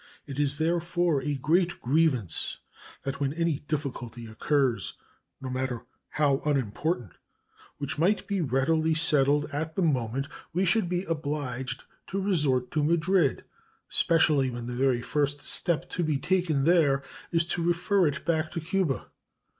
It is therefore a great grievance that when any difficulty occurs, no matter how unimportant, which might be readily settled at the moment, we should be obliged to resort to Madrid, especially when the very first step to be taken there is to refer it back to Cuba.